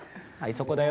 そこだよ。